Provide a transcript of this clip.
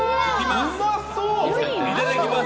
いただきます！